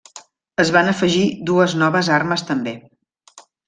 Es van afegir dues noves armes també.